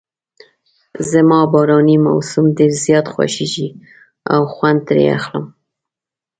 زما باراني موسم ډېر زیات خوښیږي او خوند ترې اخلم.